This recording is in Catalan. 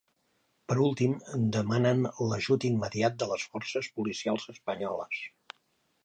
Per últim, demanen "l'ajut immediat de les forces policials espanyoles".